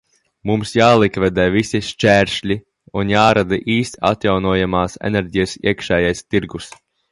Mums jālikvidē visi šķēršļi un jārada īsts atjaunojamās enerģijas iekšējais tirgus.